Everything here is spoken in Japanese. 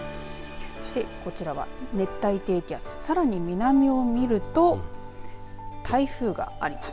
そしてこちらは熱帯低気圧さらに南を見ると台風があります。